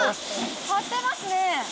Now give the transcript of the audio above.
貼ってますね。